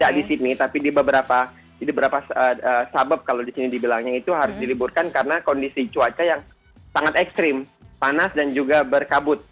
tidak di sydney tapi di beberapa sabab kalau di sini dibilangnya itu harus diliburkan karena kondisi cuaca yang sangat ekstrim panas dan juga berkabut